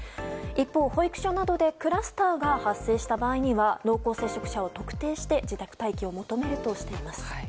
一方、保育所などでクラスターが発生した場合には濃厚接触者を特定して自宅待機を求めるとしています。